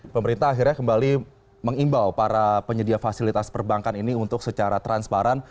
pemerintah akhirnya kembali mengimbau para penyedia fasilitas perbankan ini untuk secara transparan